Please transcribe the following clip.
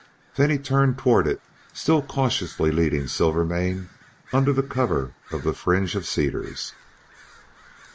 Then he turned toward it, still cautiously leading Silvermane under cover of the fringe of cedars.